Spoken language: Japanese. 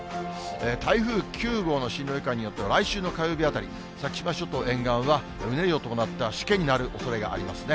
台風９号の進路いかんによっては来週の火曜日あたり、先島諸島沿岸は、うねりを伴ったしけになるおそれがありますね。